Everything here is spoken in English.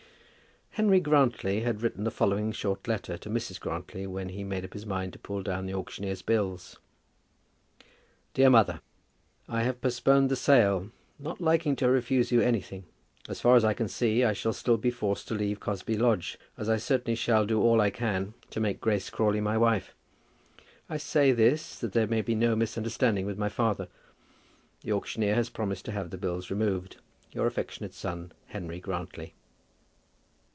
Henry Grantly had written the following short letter to Mrs. Grantly when he made up his mind to pull down the auctioneer's bills. DEAR MOTHER, I have postponed the sale, not liking to refuse you anything. As far as I can see, I shall still be forced to leave Cosby Lodge, as I certainly shall do all I can to make Grace Crawley my wife. I say this that there may be no misunderstanding with my father. The auctioneer has promised to have the bills removed. Your affectionate son, HENRY GRANTLY.